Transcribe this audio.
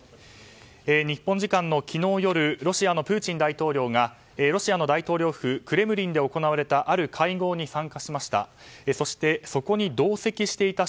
日本時間の昨日夜ロシアのプーチン大統領がロシアの大統領府クレムリンで行われたある会合に参加しました。